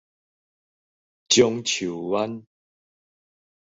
樟樹灣